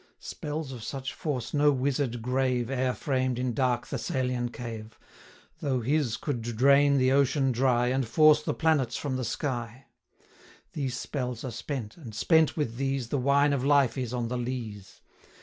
175 Spells of such force no wizard grave E'er framed in dark Thessalian cave, Though his could drain the ocean dry, And force the planets from the sky. These spells are spent, and, spent with these, 180 The wine of life is on the lees.